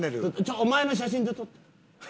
お前の写真で撮って。